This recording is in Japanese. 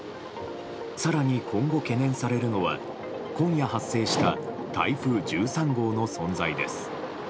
更に今後懸念されるのは今夜発生した台風１３号の存在です。